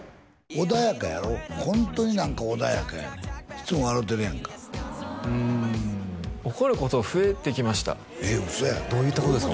穏やかやろホントになんか穏やかやねんいつも笑てるやんかうん怒ること増えてきましたえっウソやろどういうことですか？